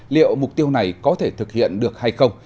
liệu mục tiêu này có thể thực hiện được hay không